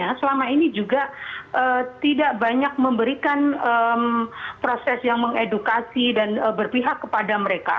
karena selama ini juga tidak banyak memberikan proses yang mengedukasi dan berpihak kepada mereka